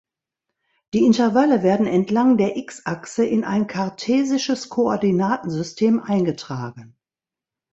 Die Intervalle werden entlang der x-Achse in ein kartesisches Koordinatensystem eingetragen.